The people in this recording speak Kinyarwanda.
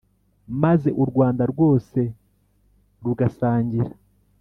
maze u Rwanda rwose rugasangira